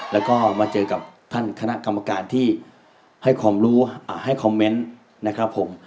แล้วก็มาเจอกับท่านคณะกรรมการที่ให้ความรู้ให้คอมเมนต์นะครับผม